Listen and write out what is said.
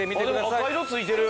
でも赤色ついてる。